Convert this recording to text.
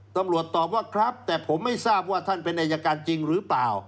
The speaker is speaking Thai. ตำรวจตอบว่าครับแต่ผมไม่ทราบว่าท่านเป็นอายการจริงหรือเปล่า